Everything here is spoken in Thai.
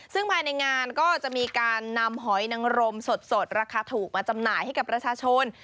ซึ่งภายในงานก็จะมีการนำหอยนังรมสดราคาถูกมาจำหน่ายให้กับประชาชน